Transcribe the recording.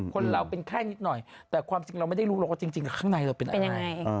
คนเราเป็นแค่นิดหน่อยแต่ความสิ่งเราไม่ได้รู้เราก็จริงข้างในเราเป็นยังไง